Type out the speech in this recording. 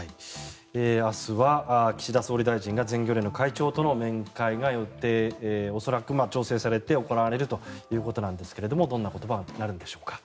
明日は岸田総理大臣が全漁連の会長との面会が予定、恐らく調整されて行われるということですがどんな言葉になるんでしょうか。